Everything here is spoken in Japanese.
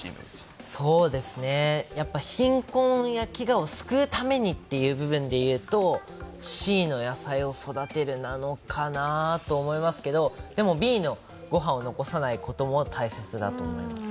貧困や飢餓を救うためにという部分で言うと、Ｃの野菜を育てるなのかなと思いますけど、でもＢのご飯を残さないことも大切だと思います。